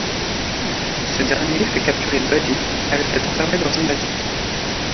Ce dernier fait capturer Buddy et le fait enfermer dans un asile.